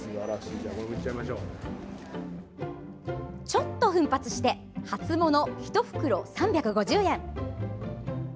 ちょっと奮発して初物１袋３５０円。